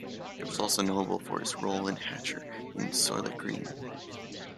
He was also notable for his role as Hatcher in "Soylent Green".